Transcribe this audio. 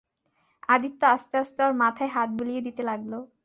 আদিত্য আস্তে আস্তে ওর মাথায় হাত বুলিয়ে দিতে লাগল।